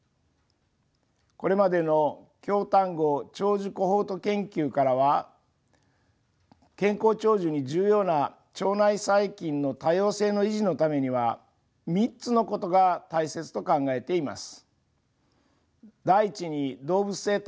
これまでの京丹後長寿コホート研究からは健康長寿に重要な腸内細菌の多様性の維持のためには３つのことが大切と考えています。